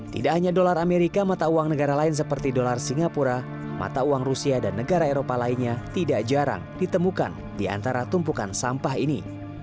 tidak hanya dolar amerika mata uang negara lain seperti dolar singapura mata uang rusia dan negara eropa lainnya tidak jarang ditemukan di antara tumpukan sampah ini